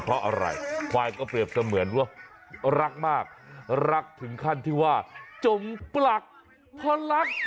เพราะอะไรควายก็เปรียบเสมือนว่ารักมากรักถึงขั้นที่ว่าจมปลักเพราะรัก